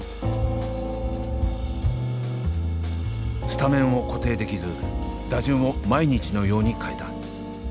スタメンを固定できず打順を毎日のように変えた。